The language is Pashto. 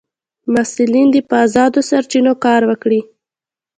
محصلین دي په ازادو سرچینو کار وکړي.